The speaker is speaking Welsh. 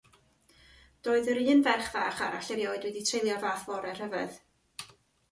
Doedd yr un ferch fach arall erioed wedi treulio'r fath fore rhyfedd.